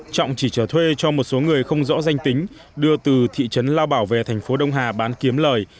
trọng chỉ chở thuê cho một số người không rõ danh tính đưa từ thị trấn lao bảo về thành phố đông hà bán kiếm lời